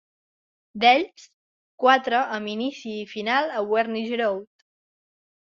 D'ells, quatre amb inici i final a Wernigerode.